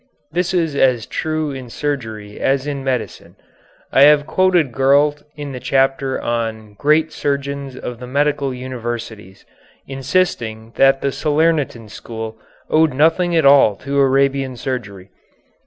This is as true in surgery as in medicine. I have quoted Gurlt in the chapter on "Great Surgeons of the Medieval Universities," insisting that the Salernitan school owed nothing at all to Arabian surgery.